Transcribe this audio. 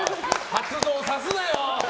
発動さすなよ！